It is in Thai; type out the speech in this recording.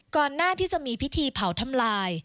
ก่อนหน้าที่จะมีพิธีเผาทำลาย